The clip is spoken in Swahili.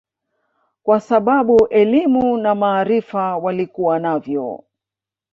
Kwa sababu elimu na maarifa walikuwa navyo